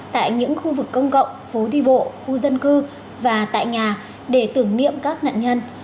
tại những khu vực công cộng phố đi bộ khu dân cư và tại nhà để tưởng niệm các nạn nhân